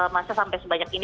masa sampai sebanyak ini